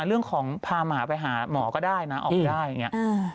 เรื่องของพาหมาไปหาหมอก็ได้นะออกได้อย่างนี้